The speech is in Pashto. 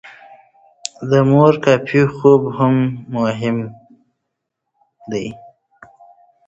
د مور کافي خوب مهم دی.